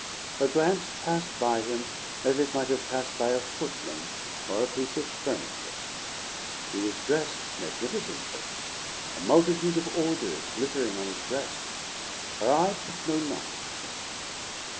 Her glance passed by him as it might have passed by a footman or a piece of furniture. He was dressed magnificently, a multitude of orders glittering on his breast. Her eye took no knowledge of him.